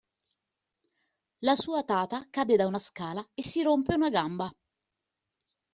La sua tata cade da una scala e si rompe una gamba.